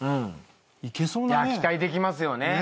期待できますよね。